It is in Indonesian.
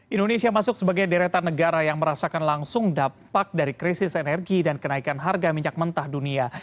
indonesia masuk sebagai deretan negara yang merasakan langsung dampak dari krisis energi dan kenaikan harga minyak mentah dunia